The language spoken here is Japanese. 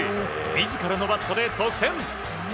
自らのバットで得点。